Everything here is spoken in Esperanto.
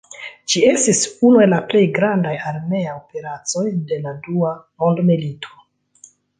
Ĝi estis unu el la plej grandaj armeaj operacoj de la dua mondmilito.